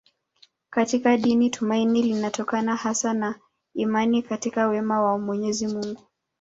Katika dini tumaini linatokana hasa na imani katika wema wa Mwenyezi Mungu.